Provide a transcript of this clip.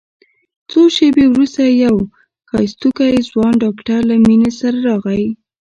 څو شېبې وروسته يو ښايستوکى ځوان ډاکتر له مينې سره راغى.